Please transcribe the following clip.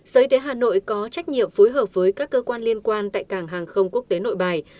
xới đến hà nội có trách nhiệm phối hợp với các cơ quan liên quan tại cảng hàng không quốc tế nội bài